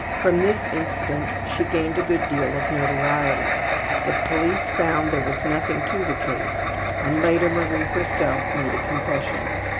From this incident she gained a good deal of notoriety. The police found there was nothing to the case and later Marie herself made a confession.